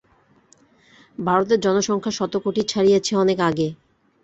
ভারতের জনসংখ্যা শত কোটি ছাড়িয়েছে অনেক আগে।